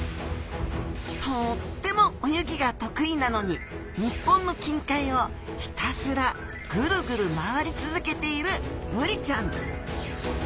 とっても泳ぎが得意なのに日本の近海をひたすらグルグル回り続けているブリちゃん。